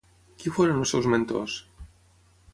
Qui foren els seus mentors?